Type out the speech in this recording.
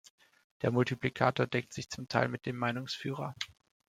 Der Multiplikator deckt sich zum Teil mit dem Meinungsführer.